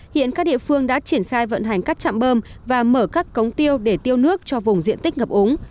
hiện các địa phương đã triển khai vận hành các trạm bơm và mở các cống tiêu để tiêu nước cho vùng diện tích ngập ống